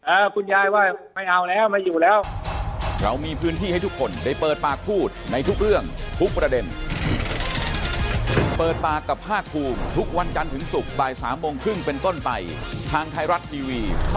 คุณยายว่าไม่เอาแล้วไม่อยู่แล้ว